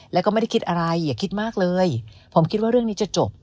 แล้วก็ไม่ได้คิดอะไรอย่าคิดมากเลยผมคิดว่าเรื่องนี้จะจบ